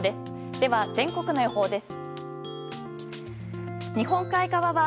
では、全国の予報です。